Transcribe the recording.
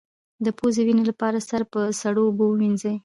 د پوزې وینې لپاره سر په سړو اوبو ووینځئ